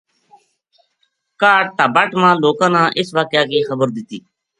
کاہڈ تابٹ ما لوکاں نا اس واقعہ کی خبر دِتی